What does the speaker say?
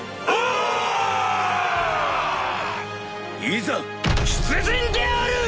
いざ出陣である！